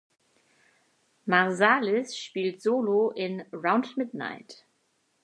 Marsalis spielt solo in „’Round Midnight“.